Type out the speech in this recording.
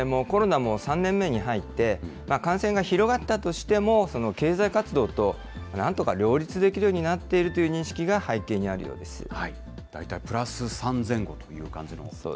コロナも３年目に入って、感染が広がったとしても、その経済活動となんとか両立できるようになっているという認識が背景にあるようです。